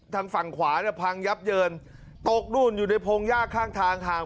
ทางฝั่งขวาเนี่ยพังยับเยินตกนู่นอยู่ในพงหญ้าข้างทางห่าง